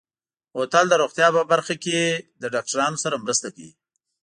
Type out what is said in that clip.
بوتل د روغتیا برخه کې د ډاکترانو سره مرسته کوي.